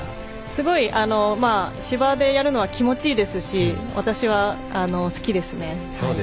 すごい、芝でやるのは気持ちいいですし私は好きですね。